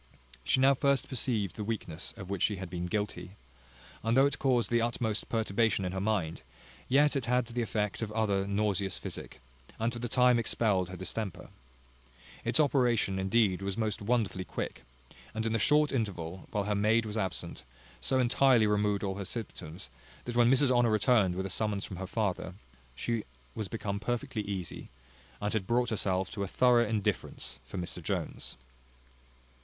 She now first perceived the weakness of which she had been guilty; and though it caused the utmost perturbation in her mind, yet it had the effect of other nauseous physic, and for the time expelled her distemper. Its operation indeed was most wonderfully quick; and in the short interval, while her maid was absent, so entirely removed all symptoms, that when Mrs Honour returned with a summons from her father, she was become perfectly easy, and had brought herself to a thorough indifference for Mr Jones.